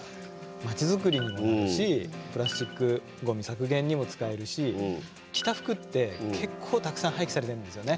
まちづくりにもなるしプラスチックごみ削減にも使えるし着た服って結構たくさん廃棄されてんですよね。